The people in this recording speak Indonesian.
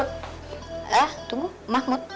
eh tunggu mahmud